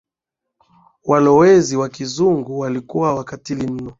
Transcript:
walowezi Wa kizungu walikuwa wakatili mno